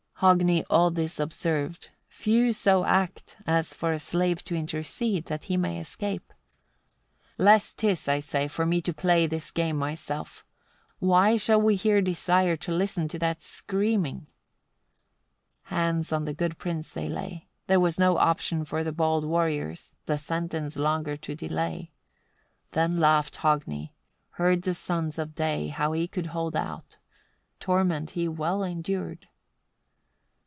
60. Hogni all this observed few so act, as for a slave to intercede, that he may escape! "Less 'tis, I say, for me to play this game myself. Why shall we here desire to listen to that screaming?" 61. Hands on the good prince they laid. Then was no option for the bold warriors, the sentence longer to delay. Then laughed Hogni; heard the sons of day how he could hold out: torment he well endured!